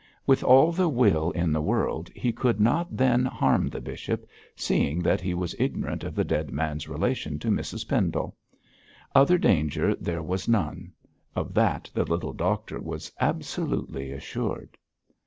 With all the will in the world he could not then harm the bishop, seeing that he was ignorant of the dead man's relation to Mrs Pendle. Other danger there was none; of that the little doctor was absolutely assured.